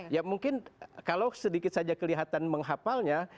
ya mungkin kalau sedikit saja kelihatan menghapalnya